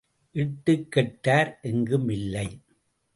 இட்டுக் கெட்டார் எங்கும் இல்லை.